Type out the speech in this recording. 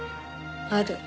ある。